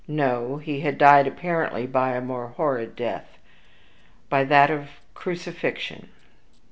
No; he had died apparently by a more horrid death by that of crucifixion.